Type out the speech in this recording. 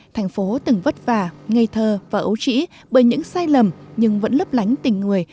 thành phố từng vất vả ngây thơ và ấu trĩ bởi những sai lầm nhưng vẫn lấp lánh tình người